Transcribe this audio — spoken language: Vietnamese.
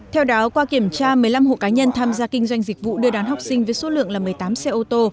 theo đó qua kiểm tra một mươi năm hộ cá nhân tham gia kinh doanh dịch vụ đưa đón học sinh với số lượng là một mươi tám xe ô tô